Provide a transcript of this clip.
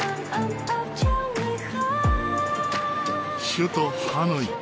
首都ハノイ。